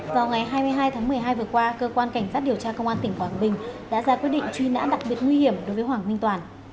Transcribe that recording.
vào ngày hai mươi hai tháng một mươi hai vừa qua cơ quan cảnh sát điều tra công an tỉnh quảng bình đã ra quyết định truy nã đặc biệt nguy hiểm đối với hoàng minh toàn